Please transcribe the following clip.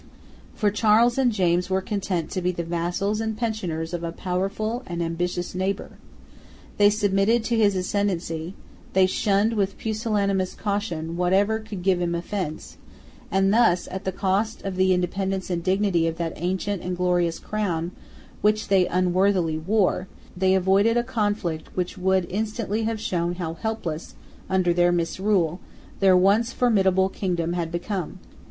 For Charles and James were content to be the vassals and pensioners of a powerful and ambitious neighbour: they submitted to his ascendency: they shunned with pusillanimous caution whatever could give him offence; and thus, at the cost of the independence and dignity of that ancient and glorious crown which they unworthily wore, they avoided a conflict which would instantly have shown how helpless, under their misrule, their once formidable kingdom had become.